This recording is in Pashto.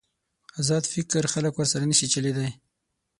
ازاد فکر خلک ورسره نشي چلېدای.